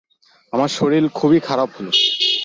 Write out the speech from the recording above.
আমার শরীর খুবই খারাপ হল।